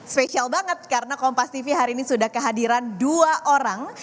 spesial banget karena kompas tv hari ini sudah kehadiran dua orang